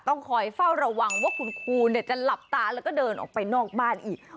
ต้องคอยเฝ้าระวังว่าคุณครูจะหลับตาแล้วก็เดินออกไปนอกบ้านอีก